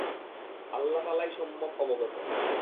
আল্লাহ তাআলাই সম্যক অবগত।